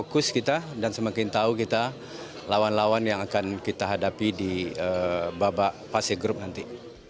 kita akan hadapi di babak fase grup nanti